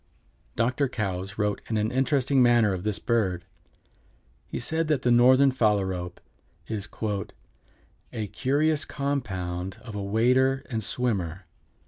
Dr. Coues wrote in an interesting manner of this bird. He said that the Northern Phalarope is "a curious compound of a wader and swimmer.